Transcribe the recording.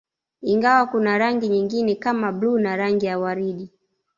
Ingawa kuna rangi nyingine kama bluu na rangi ya waridi